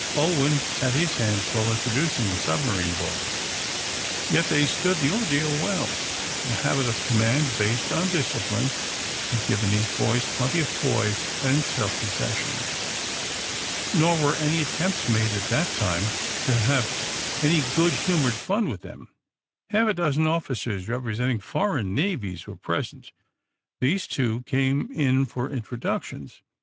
Ulwin had his hands full introducing the submarine boys. Yet they stood the ordeal well. The habit of command, based on discipline, had given these boys plenty of poise and self possession. Nor were any attempts made, at that time, to have any good humored fun with them. Half a dozen officers representing foreign navies were present. These, too, came in for introductions.